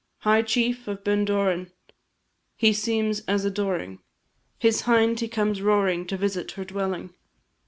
High chief of Bendorain, He seems, as adoring His hind, he comes roaring To visit her dwelling.